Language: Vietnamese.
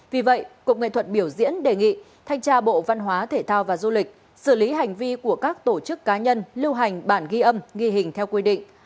vì vậy cục nghệ thuật biểu diễn đề nghị thanh tra bộ văn hóa thể thao và du lịch xử lý hành vi của các tổ chức cá nhân lưu hành bản ghi âm ghi hình theo quy định